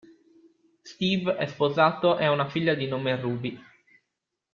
Steve è sposato ed ha una figlia di nome Ruby.